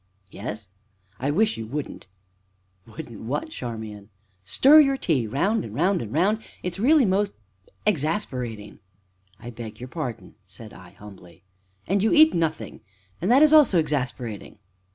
"Yes?" "I wish you wouldn't." "Wouldn't what, Charmian?" "Stir your tea round and round and round it is really most exasperating!" "I beg your pardon!" said I humbly. "And you eat nothing; and that is also exasperating!"